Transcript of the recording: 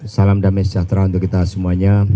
salam damai sejahtera untuk kita semuanya